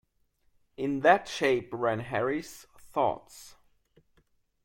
In that shape ran Harry's thoughts.